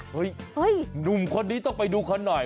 หนุ่มคนนี้ต้องไปดูเขาหน่อย